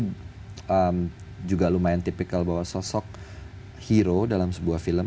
yang juga lumayan tipikal bahwa sosok hero dalam sebuah film